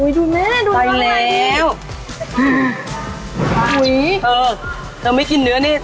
โอ้ยดูแม่ดูแม่นี้สายแล้วโอ้ยจะไม่กินเนื้อนี่